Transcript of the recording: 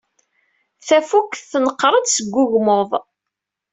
Tafukt tneqqer-d seg ugmuḍ.